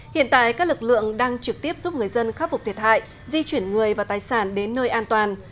hiện tại các lực lượng đang trực tiếp giúp người dân khắc phục thiệt hại di chuyển người và tài sản đến nơi an toàn